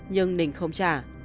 nhưng nình không trả